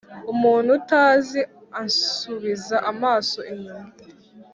umuntu utazi ansubiza amaso inyuma.